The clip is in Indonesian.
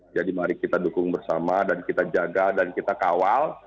mari kita dukung bersama dan kita jaga dan kita kawal